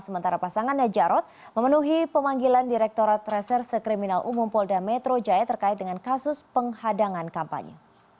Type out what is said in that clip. sementara pasangan dan jarod memenuhi pemanggilan direkturat reser sekriminal umum polda metro jaya terkait dengan kasus penghadangan kampanye